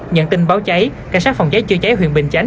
nhận tin báo cháy cảnh sát phòng cháy chữa cháy huyện bình chánh